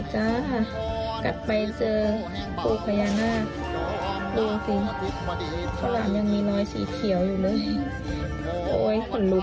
เฮ้ย